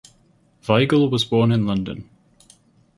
Weigall was born in London.